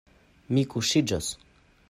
Mi kuŝiĝos.